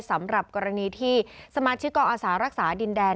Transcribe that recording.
สำหรับกรณีที่สมาชิกกองอาสารักษาดินแดน